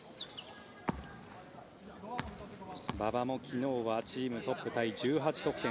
馬場も昨日はチームトップタイ１８得点。